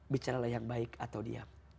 bicaralah yang baik atau diam